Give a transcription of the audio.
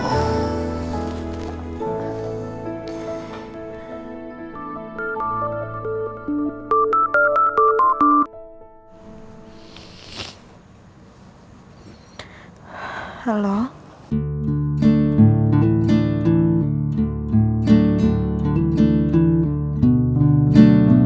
aku mau istirahat lagi aja deh ya